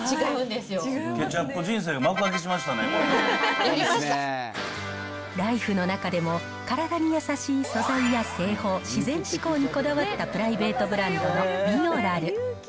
ケチャップ人生が幕開けしましたね、ライフの中でも、体に優しい素材や製法、自然志向にこだわったプライベートブランドのビオラル。